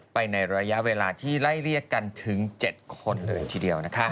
ไปในระยะเวลาที่ไล่เรียกกันถึง๗คนเลยทีเดียวนะคะ